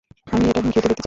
আমি এটা ঘেঁটে দেখতে চাই।